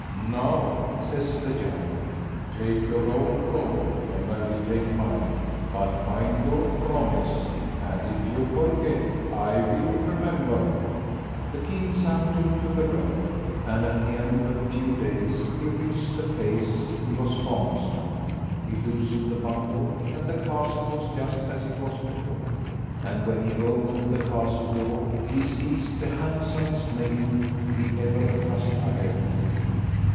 "Now," says the giant, "take your own road, and I will take mine; but mind your promise, and if you forget I will remember." The king's son took to the road, and at the end of a few days he reached the place he was fondest of. He loosed the bundle, and the castle was just as it was before. And when he opened the castle door he sees the handsomest maiden he ever cast eye upon.